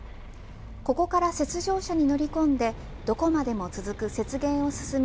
ここから雪上車に乗り込んでどこまでも続く雪原を進み